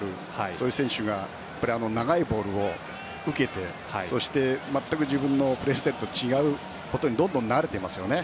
そういう選手が長いボールを受けてそして全く自分のプレースタイルと違うことにどんどん慣れていますよね。